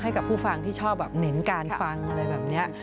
ให้กับผู้ฟังที่ชอบแบบเน้นการฟังอะไรแบบนี้